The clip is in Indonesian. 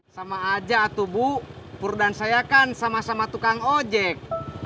sama aja tuh bu pur dan saya kan sama sama tukang ojek